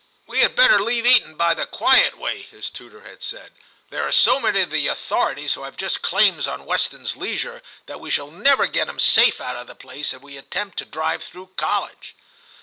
150 TIM CHAP. * We had better leave Eton by the quiet way/ his tutor had said ^' there are so many of the authorities who have just claims on Weston's leisure, that we shall never get him safe out of the place if we attempt to drive through College.